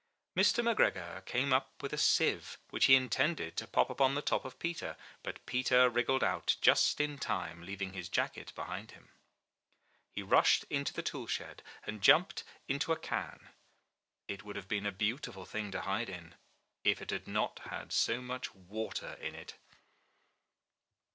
Mr. McGregor came up with a sieve, which he had intended to pop upon the top of Peter; but Peter wriggled out just in time, leaving his jacket behind him. He rushed into the tool shed, and jumped into a can. It would have been a beautiful thing to hide in, if it had not had so much water in it.